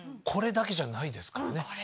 これだけじゃないですからね。